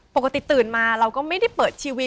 ปกติตื่นมาเราก็ไม่ได้เปิดชีวิต